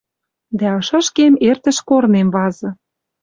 Дӓ ышышкем эртӹш корнем вазы